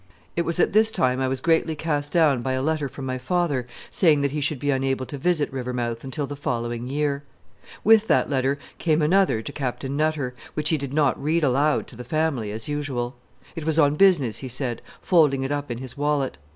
It was at this time I was greatly cast down by a letter from my father saying that he should be unable to visit Rivermouth until the following year. With that letter came another to Captain Nutter, which he did not read aloud to the family, as usual. It was on business, he said, folding it up in his wallet.